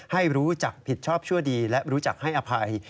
ให้รู้จักผิดชอบชั่วดีและรู้จักให้อภัย